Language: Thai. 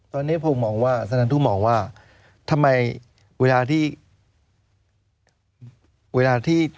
ตอนนี้ผมมองว่าสนับทุกคนมองว่าทำไมเวลาที่